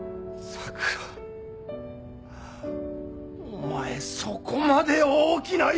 お前そこまで大きな夢を！？